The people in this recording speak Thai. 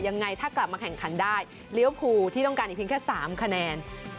ยังไงถ้ากลับมาแข่งขันได้เลี้ยวภูที่ต้องการอีกเพียงแค่๓คะแนน